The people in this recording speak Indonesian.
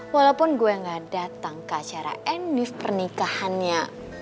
walaupun gue gak datang ke acara endive pernikahannya